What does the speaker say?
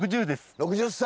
６０歳。